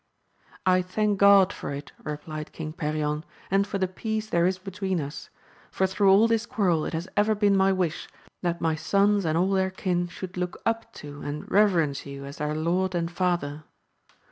I thank God for it, replied King Perion, and for the peace there is between us ; for through all this quarrel it has ever been my wish that my sons and all their kin should look up to, and reve rence you as their lord and father.